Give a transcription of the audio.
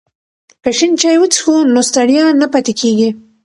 که شین چای وڅښو نو ستړیا نه پاتې کیږي.